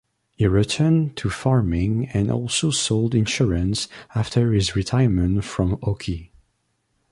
He returned to farming and also sold insurance after his retirement from hockey.